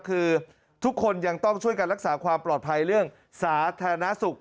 คือทุกคนยังต้องช่วยกันรักษาความปลอดภัยเรื่องสาธารณสุข